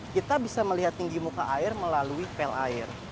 kita bisa melihat tinggi muka air melalui pel air